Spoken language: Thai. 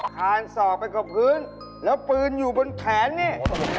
คานศอกไปกับพื้นแล้วปืนอยู่บนแขนนี่